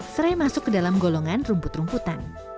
serai masuk ke dalam golongan rumput rumputan